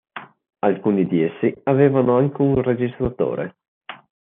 Alcuni di essi avevano anche un registratore.